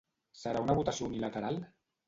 Serà una votació unilateral?